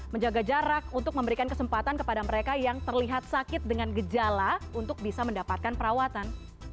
menjaga jarak untuk memberikan kesempatan kepada mereka yang terlihat sakit dengan gejala untuk bisa mendapatkan perawatan